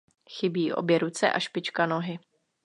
Chybí obě ruce a špička nohy.